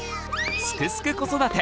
「すくすく子育て」